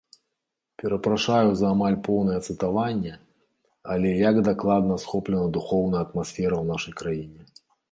Перапрашаю за амаль поўнае цытаванне, але як дакладна схоплена духоўная атмасфера ў нашай краіне!